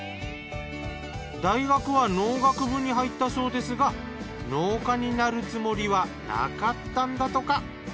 大学は農学部に入ったそうですが農家になるつもりはなかったんだとか。